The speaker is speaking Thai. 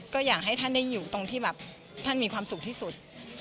ก็อยากให้ท่านได้อยู่ตรงที่แบบท่านมีความสุขที่สุด